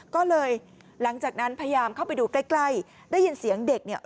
ก็เลยหลังจากนั้นพยายามเข้าไปดูใกล้ใกล้ได้ยินเสียงเด็กเนี่ย